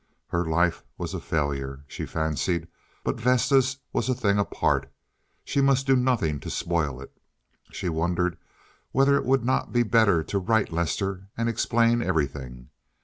Her life was a failure, she fancied, but Vesta's was a thing apart; she must do nothing to spoil it. She wondered whether it would not be better to write Lester and explain everything.